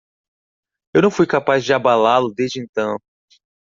Eu não fui capaz de abalá-lo desde então.